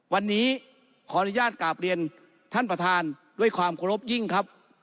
วันนี้ขออนุญาตกราบเรียนท่านประธานด้วยความเคารพยิ่งครับ